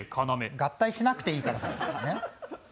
合体しなくていいからさ。